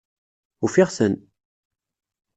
Ufiɣ-ten!